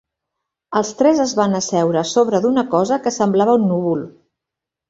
Els tres es van asseure a sobre d'una cosa que semblava un núvol.